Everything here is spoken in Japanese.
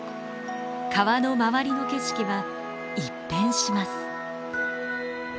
川の周りの景色は一変します。